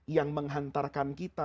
yang menghantarkan kita